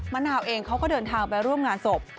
มะนาวเองเขาก็เดินทางไปร่วมงานศพ